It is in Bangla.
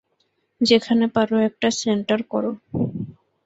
যেখানে পার একটা সেণ্টার কর।